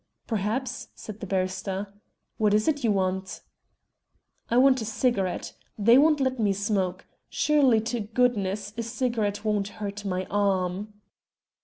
"Perhaps," said the barrister. "What is it you want?" "I want a cigarette. They won't let me smoke. Surely to goodness, a cigarette won't hurt my arm."